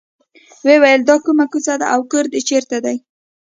وویل دا کومه کوڅه ده او کور دې چېرته دی.